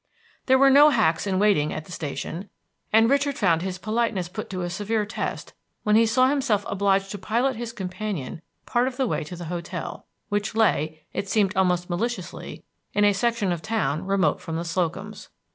There were no hacks in waiting at the station, and Richard found his politeness put to a severe test when he saw himself obliged to pilot his companion part of the way to the hotel, which lay it seemed almost maliciously in a section of the town remote from the Slocums'.